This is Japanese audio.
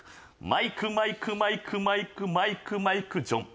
マイクマイクマイクマイクマイクマイクジョン。